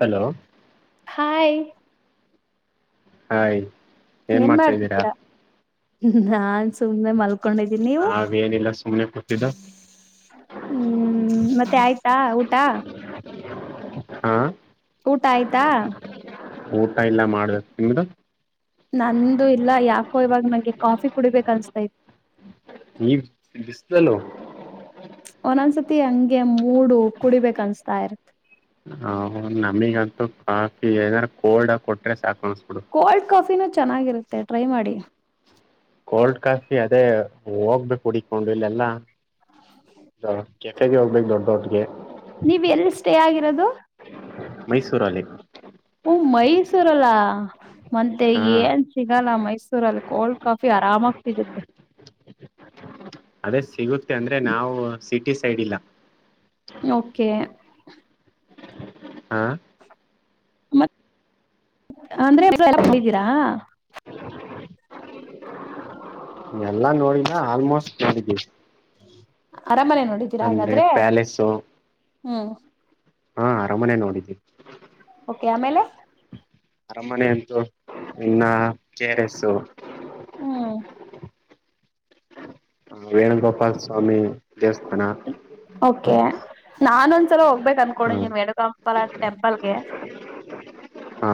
Hello hi hi ಏನ್ ಮಾಡ್ತಾಿದ್ದೀರಾ ಹಾ ನಾನ್ ಸುಮ್ನೆ ಮಲ್ಕೊಂಡಿದ್ದೀಿ ನೀವು ನಾವೇನಿಲ್ಲ ಸುಮ್ನೆ ಕೂತಿದ್ದು ಹ್ಮ್ ಮತ್ತೆ ಆಯ್ತಾ ಊತ [unintelligible] ಹಾ ಊಟ ಆಯ್ತಾ ಊಟ ಇಲ್ಲ ಮಾಡಬೇಕು ನಿಮ್ದು ನಂದು ಇಲ್ಲ ಯಾಕೋ ಇವಾಗ ನಂಗೆ ಕಾಫಿ ಕುಡಿಬೇಕ ಅನ್ಸ್ತಾ ಇತ್ತು ಈಗ ಬಿಸ್ಲಲ್ಲ ಒಂದೊಂದ್ಸತಿ ಹಂಗೆ ಮೂಡು ಕುಡಿಬೇಕ ಅನ್ಸ್ತಾ ಇರ್ತ್ ಹ ನಮಿಗಂತೂ ಕಾಫಿ ಏನಾರ ಕೋಲ್ಡ್ ಕೊಟ್ರೆ ಸಾಕ ಕೋಲ್ಡ್ ಕಾಫಿ ನ ಚೆನ್ನಾಗಿರುತ್ತೆ ಟ್ರೈ ಮಾಡಿ ಕೋಲ್ಡ್ ಕಾಫಿ ಅದೇ ಹೋಗ್ಬೇಕು ಹುಡಕೊಂಡು ಇಲ್ಲೆಲ್ಲಾ ಕೆಫೆಗೆ ಹೋಗ್ಬೇಕ ದೊಡ್ಡ ದಟ್ಟಗೆ ನೀವ್ ಎಲ್ ಸ್ಟೇ ಆಗಿರೋದು ಮೈಸೂರ ಅಲ್ಲಿ ಹೂ ಮೈಸೂರಲ್ಲ ಮತ್ತೆ ಹಾ ಏನ್ ಸಿಗಲ್ಲ ಮೈಸೂರಲ್ಲಿ ಕೋಲ್ಡ್ ಕಾಫಿ ಆ ಆರಾಮಾಗಿ ಸಿಗುತ್ತೆ ಅದೇ ಸಿಗುತ್ತೆ ಅಂದ್ರೆ ನಾವು ಸಿಟಿ ಸೈಡ್ ಇಲ್ಲ ಓಕೆ ಹಾ ಮತ್ತ ಅಂದ್ರೆ [unintelligible] ಎಲ್ಲಾ ನೋಡಿನ ಆಲ್ಮೋಸ್ಟ್ ನೋಡ್ಡಿಡಿವಿ ಅರಾಮನೆ ನೋಡಿದ್ದೀರಾ ಹಾಗಾದ್ರೆ ಪ್ಯಾಲೇಸು ಹ್ಮ್ ಹಾ ಅರಾಮನೆೇ ನೋಡಿದ್ವಿ ಓಕೆ ಆಮೇಲೆ ಅರಮನೆ ಅಂತೂ ಇನ್ನ ಕೆ ಆರ್ ಎಸ್ು ಹ್ಮ್ [unintelligible] ವೇಣುಗೋಪಾಲ ಸ್ವಾಮಿ ದೇವಸ್ಥಾನ ಒಕೆ ನಾನೊಂದ್ ಈಸಲ ಹೋಗ್ಬೇಕ್ ಅನ್ಕೊಂಡಿದೀನೀ ವೆಣುಗೋಪಾಲ ಟೆಂಪಲ್ಗೆ ಹಾ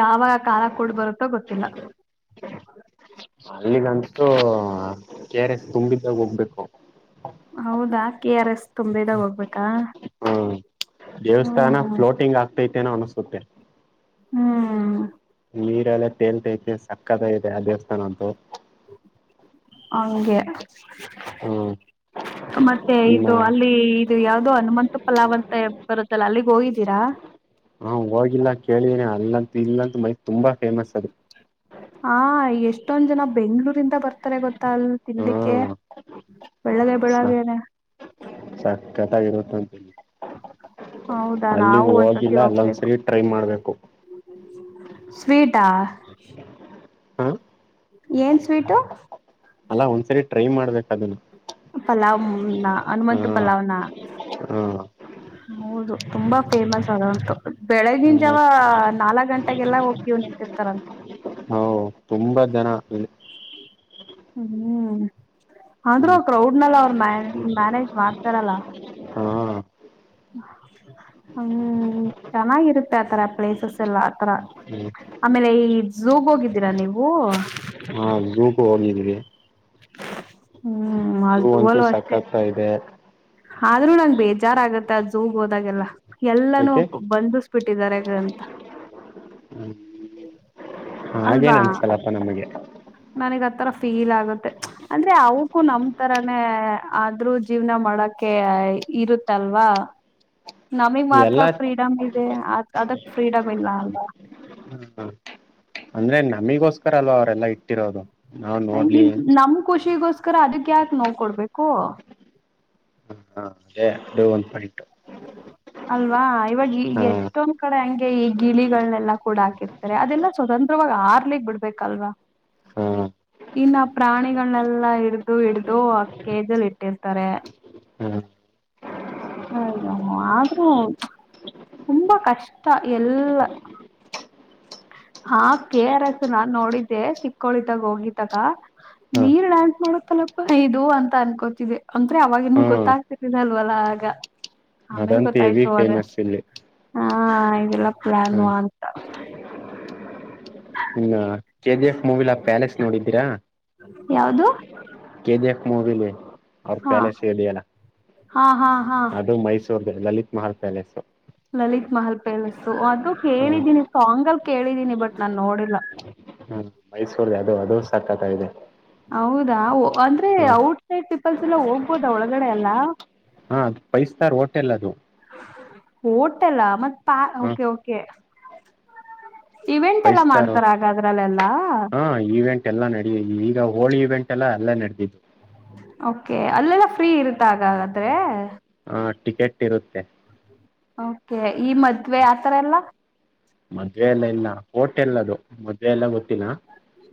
ಯಾವ ಕಾಲ ಕೂಡ್ ಬರುತ್ತೋ ಗೊತ್ತಿಲ್ಲ ಅಲ್ಲಿಗಂತೂ ಕೆರ್ ಎಸ್ ತುಂಬಿದಾಗ್ ಹೋಗ್ಬೇಕು ಹೌದ ಕೆ ಆರ್ ಎಸ್ ತುಂಬದಾಗ ಹೋಗ್ಬೇಕಾ ಹ್ಮ ದೇವಸ್ಥಾನ ಹ್ಮ್ ಫ್ಲೋಟಿಂಗ್ ಆ ತೈತೆನೋ ಅನಿಸುತ್ತೆ ಹ್ಮ್ ನೀರೆಲ್ಲ ತೇಲ್ತೈತಿ ಸಕ್ಕತ್ ಆಗಿದೆ ಆ ದೇವಸ್ಥಾನ ಅಂತೂ [unintelligible] ಹಂಗೆ ಹ್ಮ್ [unintelligible] ಮತ್ತೆ ಇನ್ನ ಇದು ಅಲ್ಲಿ ಇದು ಯಾವ್ ಅದು ಹನುಮಂತ ಪಲಾವ್ ಅಂತ ಬರುತ್ತಲ್ಲ ಅಲ್ಲಿಗ್ ಹೋಗಿದೀರಾ ಹಾ ಹೋಗಿಲ್ಲ ಕೇಳಿದೇನೆ ಅಲ್ಲಂತ ಇಲ್ಲಂತ ಮೈ ತುಂಬಾ ಫೇಮಸ್ ಅದು. ಹಾ ಎಷ್ಟೊಂದ್ ಜನ ಬೆಂಗ್ಳೂರಿಂದ ಬರ್ತಾರೆ ಗೊತ್ತ ಅಲ್ ತಿನ್ಲಿಕ್ಕೆ ಹ್ಮ [unintelligible] ಬೆಳಗೆ ಬೆಳಗೆನೆ ಸಕ್ಕತಗಿರುತ್ತಂತೆ ಹೌದಾ ಅಲ್ಲಿ ನಾವು ಒಂದ್ಸತಿ ಹೋಗಿಲ್ಲ ಹೋಗ್ಬೇಕು ಅಲ್ಲೊಂದ್ಸರಿ ಟ್ರೈ ಮಾಡ್ಬೇಕು. [unintelligible] ಸ್ವೀಟಾ ಹ ಏನ್ ಸ್ವೀಟು ಅಲ್ಲಾ ಒಂದ್ಸರಿ ಟ್ರೈ ಮಾಡ್ಬೇಕ್ ಅದುನ್ನ ಪಲಾವ್ನ ಹನುಮಂತ ಪಲಾವ್ನ ಹ್ಮ್ [unintelligible] ಹೌದು ತುಂಬಾ ಫೇಮಸ್ ಅದಂತು ಬೆಳಗಿನ ಹ್ಮ್ ಜಾವ ನಾಲ್ಕ್ ಗಂಟೆಗೆಲ್ಲ ಹೋಗ್ ಕೀವ್ ನಿಂತಿರ್ತರಂತ ಹ [unintelligible] ತುಂಬಾ ಜನ ಅಲ್ಲಿ. [unintelligible] ಹ್ಮ ಹ್ಮ್ ಅಂದ್ರೂ ಹ್ಮ್ ಕ್ರೌಡ್ನಲ್ಲ ಅವ್ರು ಮ್ಯಾ ಮ್ಯಾನೇಜ್ ಮಾಡ್ತಾರಲ್ಲ ಹಾ ಹ್ಮ ಚೆನ್ನಾಗಿರುತ್ತೆ ಆತರ ಪ್ಲೇಸಸ್ ಎಲ್ಲ ಆತರ ಹ್ಮ್ ಆಮೇಲೆ ಈ ಝೂಗ್ ಹೋಗಿದ್ದೀರಾ ನೀವು ಹಾ ಝೂಗೂ ಹೋಗಿದ್ವಿ ಹ್ಮ್ ಆ ಝೂ ಅಂತು ಅಲ್ಲೂ ಅಷ್ಟೇ ಸಕತ ಇದೆ ಆದ್ರೂ ನಂಗ ಬೇಜಾರ ಆಗತ್ತೆ ಆ ಝೂಗ್ ಹೋದಾಗೆಲ್ಲ ಎಲ್ಲಾನೂ ಏಕೆ ಬಂದು ಬಿಟ್ಟಿದ್ದಾರೆಗಂತ ಹಾಗೇನ್ ಅನ್ಸ್ತಲ್ಲಪ್ಪ ನಮಗೆ ನನಗ್ ಆತರ ಫೀಲ್ ಆಗುತ್ತೆ ಅಂದ್ರೆ ಅವಕ್ಕೂ ನಮ ತರಾನೇ ಆದ್ರೂ ಜೀವ್ನ ಮಾಡಕ್ ಮಾಡಕ್ಕೆ ಇರುತ್ತಲ್ವಾ ನಮಗ್ ಮಾತ್ರ ಎಲ್ಲಾ ಫ್ರೀಡಮ್ ಇ ಇದೆ ಅದಕ್ ಫ್ರೀಡಮ್ ಇಲ್ಲ ಅಲ್ಲ ಅಂದ್ರೆ ನಮಿಗೋಸ್ಕರ ಅಲ್ವಾ ಅವರೆಲ್ಲಾ ಇಟ್ಟಿರೋದು ನಾವ್ ನೋಡ್ಲಿ ನಮ ಖುಷಿ ಷಿಗೋಸ್ಕರ ಅದಕ್ ಯಾಕೆ ನೋವು ಕೊಡ್ಬೇಕು ಹ ಅದೇ ಒನ್ ಪಾಯಿಂಟು ಅಲ್ವಾ ಇವಾಗ ಹಾ ಎಷ್ಟೊಂದ್ ಕಡೆ ಹಂಗೆ ಈ ಗಿಳಿಗಳನೆೆಲ್ಲಾ ಕೂಡ ಹಾಕಿರ್ತಾರೆ ಅದೆಲ್ಲಾ ಸ್ವತಂತ್ರವಾಗಿ ಹರ್ಲಿಗ್ ಬಿಡ್ಬೇಕಲ್ವಾ ಹಾ ಇನ್ನ ಪ್ರಾಣಿಗಳನೆೆಲ್ಲಾ ಹಿಡ್ದು ಹಿಡ್ದು ಅಕ್ಕೇಜಲ್ ಇಟ್ಟಿರ್ತಾರೆ ಹಾ ಅಯ್ಯೋ ಆದ್ರೂ ತುಂಬಾ ಕಷ್ಟ ಎಲ್ಲ ಹಾ ಕೆ ಆರ್ಸ್ ನಾನ್ ನೋಡಿದ್ದೆ ಚಿಕ್ಕೋಳಿದಾಗ ಹೋಗಿದಾಗ ಹಾ ನೀರ್ ಡ್ಯಾನ್ಸ್ ಮಾಡಲಪ್ಪ ಇದು ಅಂತ ಅನ್ಕೋತಿದ್ದೆ ಅಂದ್ರೆ ಅವಾಗಿನ ಹ್ಮ್ ಗೊತ್ತಾಗ್ತಿರ್ಲ್ಲಲ್ವಲ್ಲ ಆಗ ಆಮೇಲ್ ಅದಂತ ಎವಿ ಗೊತ್ತಾಯ್ತು ಅದ ಫೇಮಸ್ ಇಲ್ಲಿ ಹಾ ಇದೆಲ್ಲಾ ಹ್ಮ್ ಪ್ಲಾಾನ [unintelligible] ಹ ಕೆ ಜಿ ಎಫ್ ಮೂವಿಲಾ ಪ್ಯಾಲೇಸ್ ನೋಡಿದ್ದೀರಾ ಯಾವದು ಕೆ ಜಿ ಫ್ ಮೂವಿಲಿ ಅವ್ರ ಪ್ಯಾಲಸ್ ಇದಿಯಲ್ಲ ಹಾ ಹಾ ಹಾ ಅದು Mysore Lalit Mahal palace Lalit Mahal palace ಅದು ಹ ಕೇಳಿದೀನಿ ಸಾಂಗಲ್ ಕೇಳಿದೀನಿ ಬಟ್ ನಾನ್ ನೋಡಿಲ್ಲ ಮೈಸೂರ್ಲ್ಲಿ ಅದು ಅದು ಸಾಕ್ಕತ ಆಗಿ ಇದೆ ಹೌದಾ ಅಂದ್ರೆ ಔಟ್ಸೈಡ್ ಪೀಪಲ್ಸ್ ಎಲ್ಲ ಹೋಗ್ಬೋದಾ ಒಳಗಡೆ ಎಲ್ಲ ಹಾ ಅದು ಫೈವ್ ಸ್ಟಾರ್ ಹೋಟೆಲ್ ಅದು ಹೋಟೆಲ್ಲ ಮತ್ತ ಪಾ ಹ ಓಕೆ ಓಕೆ ಇವೆಂಟ್ ಫೈವ್ ಎಲ್ಲಾ ಸ್ಟಾರ್ ಮಾಡ್ತಾರ ಹಾಗಾದ್ರಲ್ಲೆಲ್ಲಾ ಹಾ ಈವೆಂಟ್ ಎಲ್ಲ ನಡ ಈಗ ಹೋಳಿ ಇವೆಂಟ್ ಲ್ಲ ಅಲ್ಲೇ ನಡೆದಿದ್ದತ್ತು. ಓಕೆ ಅಲ್ಲೆಲ್ಲ ಫ್ರೀ ಇರುತ್ತೆ ಆಗಾದ್ರೆ. ಹ ಟಿಕೆಟ್ ಇರುತ್ತೆ. ಓಕೆ ಈ ಮದ್ವೆ ಆತರ ಎಲ್ಲ. ಮದ್ವೆ ಎಲ್ಲ ಇಲ್ಲ ಹೋಟೆಲ್ಲ ಅದು ಮದ್ವೆ ಎಲ್ಲ ಗೊತ್ತಿಲ್ಲ.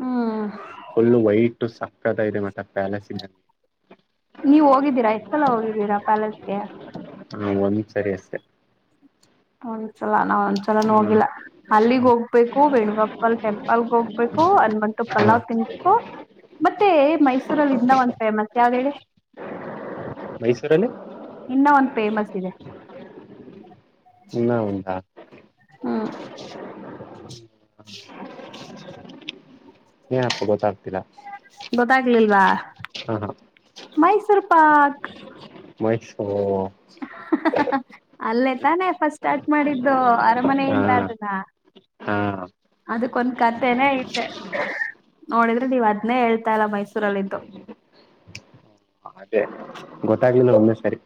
ಹ್ಮ್ ಫುಲ್ಲು ವೈಟು ಸಾಕ್ ಸಖತಾಗಿದೆ ಮಾತ್ರ ಪ್ಯಾಲೇಸ್ ನೀವ್ ಹೋಗಿದ್ದೀರಾ ಎಷ್ಟ್ ಸಲ ಹೋಗಿದ್ದೀರಾ ಪ್ಯಾಲೇಸ್ಗೆ. ಹಾ ಒಂದ್ ಸರಿ ಅಷ್ಟೆ. ಹೌ ಸಲ ನಾವ್ ಒಂದ್ಸಲನ ಹ ಹೋಗಿಲ್ಲ ಅಲ್ಲಿಗ್ ಹೋಗ್ಬೇಕು ವೇಣುಗಪಲ್ ಟೆಂಪಲ್ಗೆ ಹೋಗ್ಬೇಕು ಅನ್ಬಂತು ಹ ಪಲ್ಲಾವ್ ತಿನ್ಬೇಕು ಮತ್ತೆ ಮೈಸೂರಲ್ಲಿ ಇನ್ನ ಒಂದ್ ಫೇಮಸ್ ಯಾವ್ದ ಹೇಳಿ [inaudible] ಮೈಸೂರಲ್ಲಿ ಇನ್ನ ಒಂದ್ ಫೇಮಸ್ ಇದೆ ಇನ್ನ ಒಂದಾ ಹ್ಮ್ [inaudible] ಏನಪ್ಪಾ ಕೊತ ಆಗ್ತಾ ತಿಲ್ಲ. ಗೊತ್ತಾಗ್ಲಿಲ್ವಾ. ಹಾ ಹಾ. ಮೈಸೂರು ಪಾಕ್ ಮೈಸೂರು ಹ ಹಃ ಹ ಹಾ. ಅಲ್ಲೇ ತಾನೇ ಫಸ್ಟ್ ಸ್ಟಾರ್ಟ್ ಮಾಡಿದ್ದು ಹ ಅರಮನೆಯಿಂದ ಅದನ್ನ. ಹಾ ಅದಕ್ಕೊಂದ್ ಕತೆನೇ ಇದೆ ನೋಡಿದ್ರೆ ನೀವ್ ಅದನೇ ಹೇಳ್ತಾ ಇಲ್ಲ ಮೈಸೂರಲ್ಲಿದ್ದು. ಅದೇ ಗೊತ್ತಾಗ್ಲಿಲ್ಲ ಒಂದೇ ಸರಿ.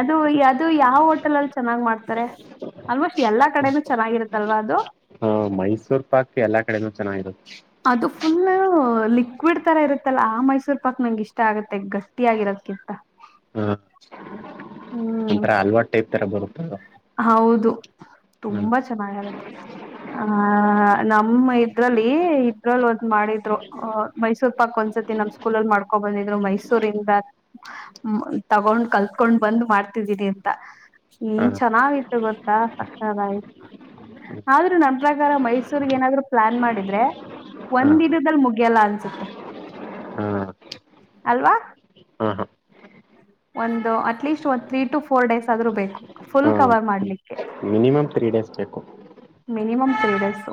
ಅದು ಅದು ಯಾವ ಹೋಟೆಲ್ ಅಲ್ಲಿ ಚೆನ್ನಾಗ್ ಮಾಡ್ತಾರೆ ಆಲ್ಮೋಸ್ಟ್ ಎಲ್ಲಾ ಕಡೆನೂ ಚೆನ್ನಾಗಿರುತ್ತಲ್ವಾ ಅದು ಆ ಮೈಸೂರ್ ಪಾಕ್ ಎಲ್ಲಾ ಕಡೆನೂ ಚೆನ್ನಗಿರುತ್ತೆ. ಅದು ಫುಲ್ ಲಿಕ್ವಿಡ್ ತರ ಇರುತ್ತಲ್ಲ ಆ ಮೈಸೂರ್ ಪಾಕ್ ನಂಗೆ ಇಷ್ಟ ಆಗತ್ತೆ ಗಟ್ಟಿ ಆಗಿರೋದಕಿಂತ. ಒಂತರ ಹಲ್ವಾ ಟೈಪ್ ತರ ಬರುದು [unintelligible] ಹೌದು ತುಂಬಾ ಚೆನ್ನಾಗಿರುತ್ತೆ. ಆ ನಮ್ಮ ಇದ್ರಲ್ಲಿ ಇದ್ರಲ್ಲಿ ಒಂದ್ ಮಾಡಿದ್ರು ಮೈಸೂರ್ ಪಾಕ್ ಒಂದ್ಸತಿ ನಮ್ ಸ್ಕೂಲಲ್ ಮಾಡ್ಕೊ ಬಂದಿದ್ರು ಮೈಸೂರಿಂದ ತಗೊಂಡ್ ಕಲ್ತ್ಕೊಂಡ್ ಬಂದ್ ಮಾಡ್ತಿದ್ದೀನಿ ಅಂತನ್ ಎನ್ ಹ ಚನಾಗಿತ್ ಚೆನ್ನಾಗಿತ್ತು ಗೊತ್ತಾ ಸಖತಾಗಿತ್ತು ಅದ್ರು ನನ್ ಪ್ರಕಾರ ಮೈಸೂರ್ ಏನಾದ್ರು ಪ್ಲಾನ್ ಮಾಡಿದ್ರೆ ಹ ಒಂದ ದಿನದಲ್ಲಿ ಮುಗಿಯಲ್ಲ ಅನ್ಸುತ್ತೆ, ಹ ಅಲ್ವಾ, ಹ ಹ ಒಂದು ಅಟ್ಲೀಸ್ಟ್ ಒಂದು ಥ್ರೀ ಟು ಫೋರ್ ಡೇಸ್ ಆದ್ರೂ ಬೇಕು. ಫುಲ್ ಹ ಕವರ್ ಮಾಡಲಿಕ್ಕೆ. ಮಿನಿಮಮ್ ತ್ರೀ ಡೇಸ್ ಬೇಕು. ಮಿನಿಮಮ್ ತ್ರೀ ಡೇಸ್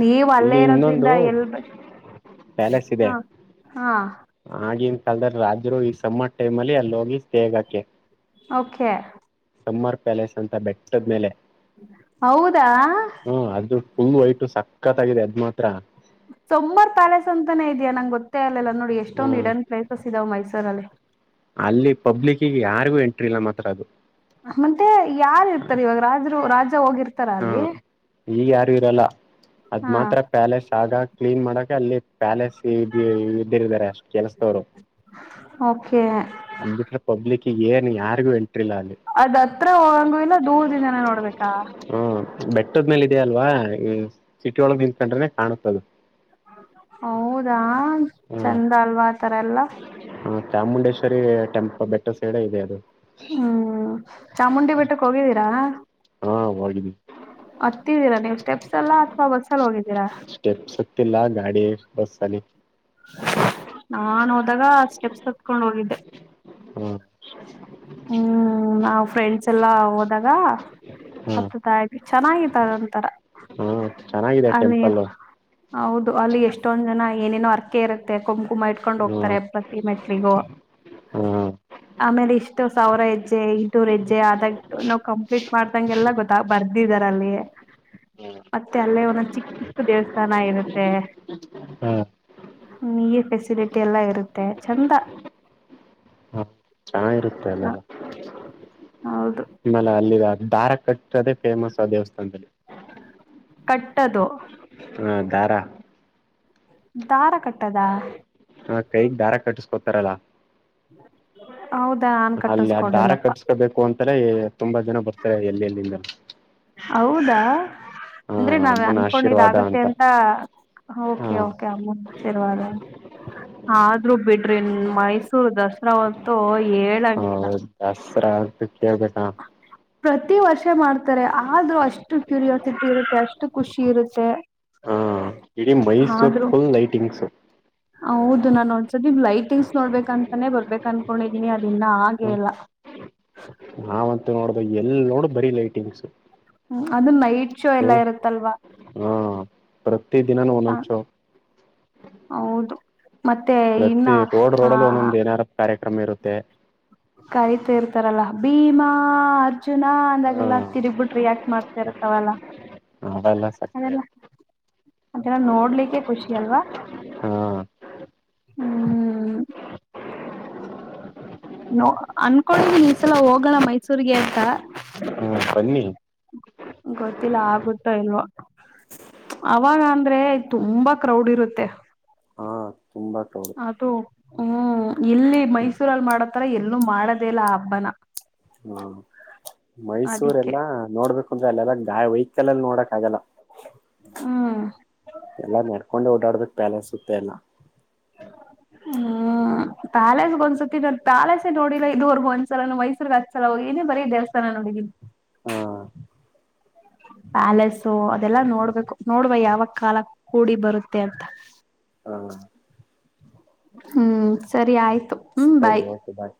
ನೀವ್ ಅಲ್ಲೇ ಇಲ್ಲಿ ಇರೋದ್ರಿಂದ ಇನ್ನೊಂದು ಎಲ್ ಪ್ಯಾಲೇಸ್ ಇದೆ ಹಾ ಹಾ. ಆಗಿನ ಕಾಲಲ್ದದಲ್ಲಿ ರಾಜರು ಈ ಸಮಮ್ಮರ್ ಟೈಮ್ ಅಲ್ಲಿ ಅಲ್ಲಿ ಹೋಗಿ ಸ್ಟೇಗಾಕೆ. ಓಕೆ. ಸಮ್ಮರ್ ಪ್ಯಾಲೇಸ್ ಅಂತ ಬೆಟ್ಟದ ಮೇಲೆ. ಹೌದಾ. ಹ್ಮ ಅದು ಫುಲ್ ವೈಟ್ ಸಕ್ಕತ್ಗಾಗಿದೆ ಅದ್ ಮಾತ್ರ. ಸೊಮ್ಮರ್ ಪ್ಯಾಲೇಸ್ ಅಂತಾನೇ ಇದಿಯಾ ನಂಗೆ ಗೊತ್ತೇ ಆರ್ಲಲ್ಲ ನೋಡಿ ಎಷ್ಟೊಂದ್ ಹ್ಮ ಹಿಡನ್ ಪ್ಲೇಸಸ್ ಇದಾವ ಮೈಸೂರಲ್ಲಿ. ಅಲ್ಲಿ ಪಬ್ಲಿಕ್ಗ್ ಯಾರಿಗೂ ಎಂಟ್ರಿ ಇಲ್ಲ ಮಾತ್ರ ಅದು. ಮತ್ತೆ ಯಾರ ಇರ್ತಾರೆ ಇವಾಗ ರಾಜ ರಾಜ ಹೋಗಿರ್ತಾರ ಅಲ್ಲಿ ಹ್ಮ ಈಗ ಯಾರು ಇರಲ್ಲ ಅದ್ ಹಾ ಮಾತ್ರ ಪ್ಯಾಲೆಸ್ ಆಗಾಗ ಕ್ಲೀನ್ ಮಾಡಕ ಅಲ್ಲಿ ಪ್ಯಾಲೇಸ್ ಇದ್ದರಿದ್ದಾರೆ ಕೆಲಸದವರು ಓಕೆ ಅಂದ್ಬಟ್ರೆ ಪಬ್ಲಿಕ್ ಏನ್ ಯಾರಿಗು ಅದ್ತ್ರ ಹೋಗಂಗು ಇಲ್ಲ ದೂರ್ದಿಂದನ ನೋಡ್ಬೇಕಾ. ಹ ಬೆಟ್ಟದ್ಮೇಲ್ ಇದೆಯ ಅಲ್ವಾ ಸಿಟಿ ಒಳಗ್ ನಿಂತ್ಕೊಂಡ್ರನೆ ಕಾಣುತ್ತದು ಹೌದಾ ಹ್ಮ್ ಚಂದ ಅಲ್ವಾ. ತರ ಎಲ್ಲ. ಹ ಚಾಮುಂಡೇಶ್ವರಿ ಟೆಂಪ ಬೆಟ್ಟ ಸೈಡ ಇದೆ ಅದು ಹ್ಮ್ ಚಾಮುಂಡಿ ಬೆಟ್ಟಕ್ ಹೋಗಿದ್ದೀರಾ. ಹಾ ಹೋಗಿದೀನಿ. ನೀವ್ ಸ್ಟೆಪ್ಸ್ ಅಲ್ಲ ಅಥವಾ ಬಸ್ಸ ಎಲ್ಲ ಹೋಗಿದ್ದೀರಾ ಬಸ್ಸ ಅಲ್ಲಿ. ನಾನ್ ಹೋದಾಗ ಸ್ಟೆಪ್ಸ್ ಹತ್ಕೊಂಡು ಹೋಗಿದ್ದೆ. ಹ್ಮ ಹ್ಮ್ ಫ್ರೆಂಡ್ಸ್ ಎಲ್ಲ ಹೋದಾಗ. ಹ್ಮ ಹಾತುತ್ತ ಇದ್ವಿ. ಚೆನಾಗಿತ್ತ್ ಅದೊಂಡತಾರ. ಹ್ಮ ಚೆನ್ನಾಗಿದೆ ಟೆಂಪಲ್ಲ ಹೌದು ಅಲ್ಲಿ ಎಷ್ಟೊಂದ್ ಜನ ಏನೇನೋ ಅರ್ಕೆ ಇರುತ್ತೆ ಕೊ ಕುಂಕುಮ ಇಟ್ಕೊಂಡ್ ಹ್ಮ್ ಹೋಗ್ತಾರೆ ಪ್ರತಿ ಮೆಟ್ಲಿಗೂ ಹ್ಮ್ ಆಮೇಲೆ ಇಷ್ಟ ಮತ್ತೆ ಸಾವಿರ ಹೆಜ್ಜೆ ಇಟೂರ್ ಹೆಜ್ಜೆ ಆದಾಗ ನಾವ್ ಕಂಪ್ಲೀಟ್ ಮಾಡ್ದಂ ಎಲ್ಲ ಗೊತ್ತ ಬರ್ದಿದಾರ ಅಲ್ಲಿ ಮತ್ತೆ ಅಲ್ಲೇ ಒಂದೊಂದ ಚಿಕ್ಕ ಚಿಕ್ಕ ದೇವಸ್ಥಾನ ಇರುತ್ತೆ ಹ್ಮ್ ಫೆಸಿಲಿಟಿ ಎಲ್ಲ ಇರುತ್ತೆ ಚಂದ. ಹ್ಮ್ ಚೆನ್ನಾಗಿರುತ್ತೆ ಅಲ್ಲೆಲ್ಲ [inaudible] ಹೌದ. ಆಮೇಲೆ ಅಲ್ಲಿ ಧಾರ ಕಟ್ಟ ಅದೇ ಫೇಮಸ್ ದೇವಸ್ಥಾನದಲ್ಲಿ. ಕಟ್ಟದು. ಹಾ ದಾಡ. ದಾರ ಕಟ್ಟದಾ. ಹ ಕೈಗ್ ದಾರ ಕಟ್ಟಸ್ಕೊತ ತರಲ್ಲ ಹೌದಾ ನಾನ್ ಅಲ್ಲಿ ಆ ದಾರ ಕಟ್ಟಿಸಕೊಂಡಿಲ್ಲಪ್ಪ ಕಟ್ಸ್ಕೋಬೇಕು ಅಂತನೇ ತುಂಬಾ ಜನ ಬರ್ತಾರೆ ಎಲ್ಲಿ ಎಲ್ಲಿಂದ. ಹೌದಾ. ಆ ಅಂದ್ರೆ ನಾವ್ ಅಮ್ಮನ ಆಶೀರ್ವಾದ ಅನ್ಕೊಂಡಿದಾಗುತ್ತೆ ಅಂತ ಹ ಓಕೆ ಕೆ ಅಮ್ಮ ಆಶೀರ್ವಾದ ಬಿಡ್ರಿ ಮೈಸೂರು ದಸರಾ ಅಂತು ಏಳ ಹ ಹೌದು ದಸರಾ ಸೊ ಕೇಳ್ಬೇಕಾ. ಪ್ರತಿ ವರ್ಷ ಮಾಡ್ತ ಆದ್ರೂ ಅಷ್ಟು ಕ್ಯೂರಿಯಸ್ ಟ್ಟಿರುತ್ತೆ ಅಷ್ಟು ಖುಷಿ ಇರುತ್ತೆ. ಇಡೀ ಮೈಸೂರ್ ಆದ್ರೂ ಫುಲ್ ನೈಟಿಂಗ್ಸ್. ಇದು ನಾ ನೋಡ್ಸದ ಇ ಲೈಟಿಂಗ್ಸ್ ನೋಡ್ಬೇಕಂತಾನೇ ಬರ್ಬೇಕ ಅನ್ಕೊಂಡಿದೀನಿ ಅದ ಇನ್ನ ಆಗೆ ಇಲ್ಲ.. ನಾವಂತ ನೋಡ್ದ ಎಲ್ ನೋಡು ಬರೀ ಲೈಟಿಂಗ್ಸ್. ಹ್ಮ ಅದು ನೈಟ್ ಶೋ ಎಲ್ಲಾ ಇರುತ್ತಲ್ವಾ ಕರೆಕ್ಟ್ ದಿನು ಒಂದೊಂದ್ ಶೋ. ಹೌದು. ಮತ್ತೆ ಇನ್ನ ಪ್ರತಿ ರೋಡ್ ಆ ರೋಡ್ಲ್ಲಿ ಒಂದೊಂದು ಏನಾರ ಕಾರ್ಯ. ಕ್ರಮ ಇರುತ್ತೆ. ಕರಿತಾ ಇರ್ತಾರಲ್ಲ ಭೀಮಾ ಅರ್ಜುನ ಹಾ ಅಂದಾಗೆಲ್ಲ ತಿರ್ಗ್ಬಿಟ್ಟ ರಿಯಾಕ್ಟ್ ಮಾಡ್ತಾ ಇರ್ತವಲ್ಲ ಅವೆಲ್ಲ ಸಕ್ಕರೆ ಅದೆ ಇರುತ್ತೆ ಅನ ನೋಡ್ಲಿಕ್ಕೆ ಖುಷಿ ಅಲ್ವಾ. ಹಾ ಹ್ಮ್. ನೋ ಅನ್ಕೊಂಡಿದಿನಿ ಈ ಸಲ ಹೋಗೋಣ ಮೈಸೂರಿಗೆ ಅಂತ. ಹ್ಮ ಬನ್ನಿ. ಗೊತ್ತಿಲ್ಲ ಆಗುತ್ತೋ ಇಲ್ವೋ ಅವಾಗ ಅಂದ್ರೆ ತುಂಬಾ ಕ್ರೌಡ್ ಇರುತ್ತೆ. ಹಾ ತುಂಬಾ ಕ್ರೌಡ್ ಅದು ಹ್ಮ್. ಇಲ್ಲಿ ಮೈಸೂರಲ್ಲಿ ಮಾಡತ್ತರ ಎಲ್ಲೂ ಮಾಡದೇ ಇಲ್ಲ ಆ ಹಬ್ಬನ. ಹಾ. ಮೈಸೂರ ಅದಿಕ್ಕೆ ಎಲ್ಲಾ ನೋಡ್ಬೇಕು. ಅಂದ್ರೆ ಅಲ್ಲಿ ಎಲ್ಲಾ ಗಾಯ ವಹಿಕಲ್ ಅಲ್ಲಿ ನೋಡಕ ಆಗಲ್ಲ. ಹ್ಮ. ಎಲ್ಲ ನಡ್ಕೊಂಡೆ ಓಡಾಡ ಬೇಕ ಪ್ಯಾಲೆನ್ಸ್ ಸುತ್ತ ಎಲ್ಲ. ಹ್ಮ್ ಪ್ಯಾಲೇಸಗ ಒಂದ್ಸತಿ [unintelligible] ನಾ ಪ್ಯಾಲೇಸೇ ನೋಡಿಲ್ಲ ಇದುವರ್ಗು ಒಂದ ಸಲಾನು ಮೈಸೂರಗ ಹತ್ಸಲ ಹೋಗಿ ಬರೀ ದೇವಸ್ಥಾನ ನೋಡಿನಿ. ಹಾ ಪ್ಯಾಲೇಸು ಅದೆಲ್ಲಾ ನೋಡ್ಬೇಕು ನೋಡವ ಯಾವಾಗ ಕಾಲ ಕೂಡಿ ಬರುತ್ತೆ ಅಂತ. ಹಾ ಹ್ಮ್ ಸರಿ ಆಯ್ತು. ಸರಿ ಓಕೆ ಬಾಯ್.